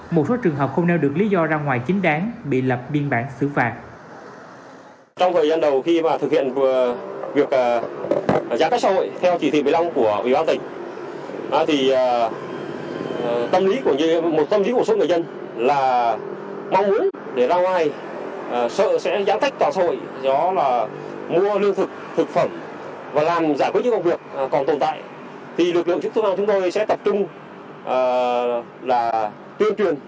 một số trường hợp không nêu được lý do ra ngoài chính đáng bị lập biên bản xử phạt